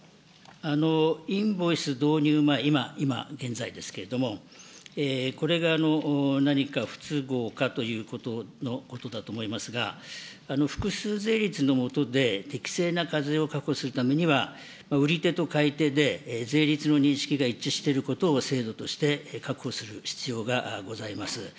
インボイス導入、今現在ですけれども、これが何か不都合かということのことだと思いますが、複数税率のもとで適正な課税を確保するためには、売り手と買い手で、税率の認識が一致していることを制度として確保する必要がございます。